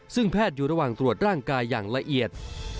ซึ่งแพทย์อยู่ระหว่างตรวจร่างกายอย่างละเอียด